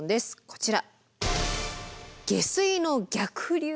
こちら。